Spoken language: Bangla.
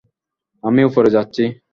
আমি উপরে যাচ্ছি।